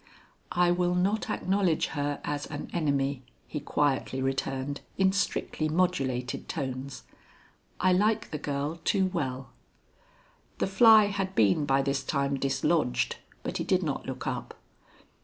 "I will not acknowledge her as an enemy," he quietly returned in strictly modulated tones. "I like the girl too well." The fly had been by this time dislodged, but he did not look up.